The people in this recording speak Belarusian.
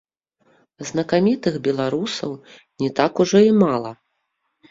Знакамітых беларусаў не так ужо і мала.